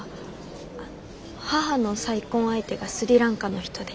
あ母の再婚相手がスリランカの人で。